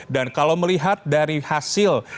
dan kalau melihat dari hasil